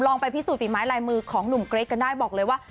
ไปพิสูจนฝีไม้ลายมือของหนุ่มเกรทกันได้บอกเลยว่า